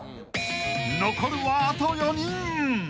［残るはあと４人］